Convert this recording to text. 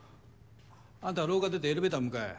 あんたは廊下出てエレベーターへ向かえ。